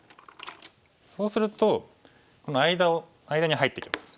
そうすると間に入ってきます。